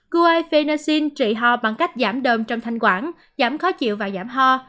guifenacin trị ho bằng cách giảm đờm trong thanh quản giảm khó chịu và giảm ho